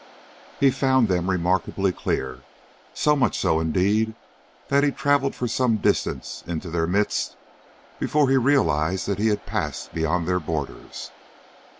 He found them remarkably clear; so much so, indeed, that he travelled for some distance into their midst before he realized that he had passed beyond their borders.